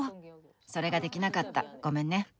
それができなかったごめんね。